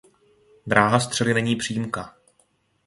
Dráha střely není přímka.